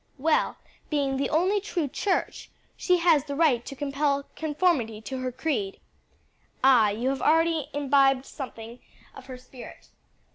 "Well, being the only true church, she has the right to compel conformity to her creed." "Ah, you have already imbibed something of her spirit.